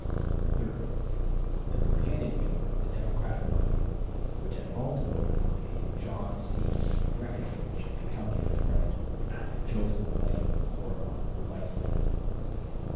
Third. The Buchanan wing of the Democratic party, which at Baltimore nominated John C. Breckinridge, of Kentucky, for President, and Joseph Lane, of Oregon, for Vice President.